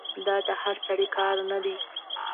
دا د هر سړي کار نه دی.